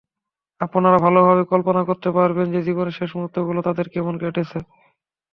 আপনারা ভালোভাবেই কল্পনা করতে পারবেন যে জীবনের শেষ মুহূর্তগুলো তাদের কেমন কেটেছে।